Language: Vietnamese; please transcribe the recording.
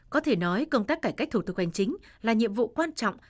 có thể nói công tác cải cách thủ tục hành chính là nhiệm vụ quan trọng